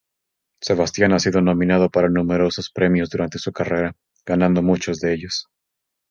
Sebastián ha sido nominado para numerosos premios durante su carrera, ganando muchos de ellos.